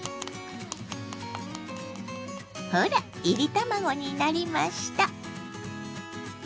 ほらいり卵になりました。